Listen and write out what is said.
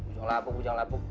pujang lapuk pujang lapuk